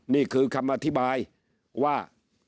นี่คือคำอธิบายว่า